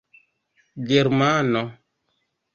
germano